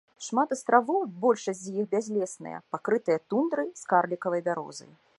Шмат астравоў, большасць з іх бязлесныя, пакрытыя тундрай з карлікавай бярозай.